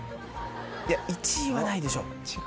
いや１位はないでしょ。